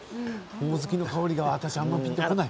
ほおずきの香りがピンとこない。